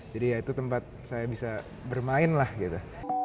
jadi ya itu tempat saya bisa bermain lah gitu